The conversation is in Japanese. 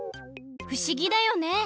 ふしぎだよね！